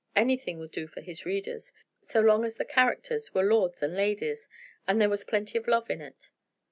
Anything would do for his readers, so long as the characters were lords and ladies, and there was plenty of love in it.